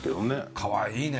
かわいいね。